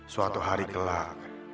suatu hari kelak